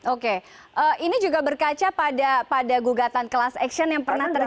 oke ini juga berkaca pada gugatan class action yang pernah terjadi